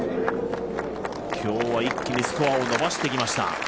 今日は一気にスコアを伸ばしてきました。